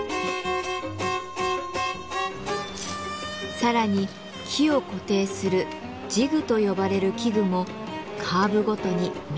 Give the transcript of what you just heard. さらに木を固定する「治具」と呼ばれる器具もカーブごとに綿密に設計。